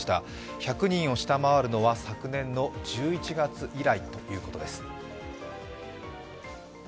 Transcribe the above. １００人を下回るのは昨年の１１月以来ということです。